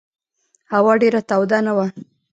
هوا ډېره توده نه وه.